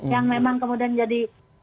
yang memang kemudian jadi